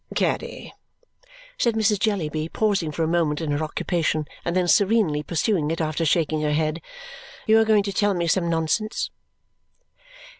"Caddy," said Mrs. Jellyby, pausing for a moment in her occupation and then serenely pursuing it after shaking her head, "you are going to tell me some nonsense."